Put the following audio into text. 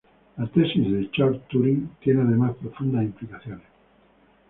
La tesis de Church-Turing tiene además profundas implicaciones.